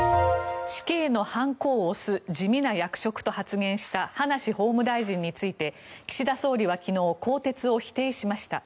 死刑の判子を押す地味な役職と発言した葉梨法務大臣について岸田総理は昨日更迭を否定しました。